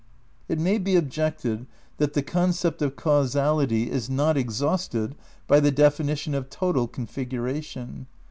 It may be objected that the concept of causality is not exhausted by the definition of total configuration.